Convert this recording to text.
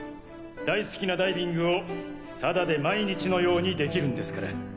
大好きなダイビングをただで毎日のようにできるんですから。